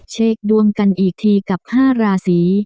เช็คดวงกันอีกทีกับ๕ราศี